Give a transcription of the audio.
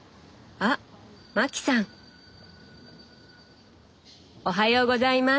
あっマキさん！おはようございます。